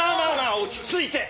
落ち着いて。